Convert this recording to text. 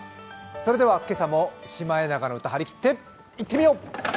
それでは今朝も「シマエナガの歌」張り切っていってみよう！